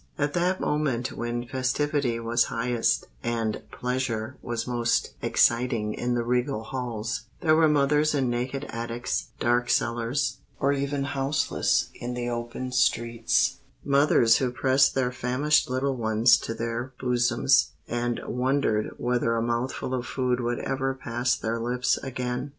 At that moment when festivity was highest, and pleasure was most exciting in the regal halls, there were mothers in naked attics, dark cellars, or even houseless in the open streets,—mothers who pressed their famished little ones to their bosoms, and wondered whether a mouthful of food would ever pass their lips again.